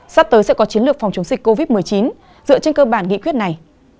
sắp tới sẽ có chiến lược phòng chống dịch covid một mươi chín dựa trên cơ bản nghị quyết này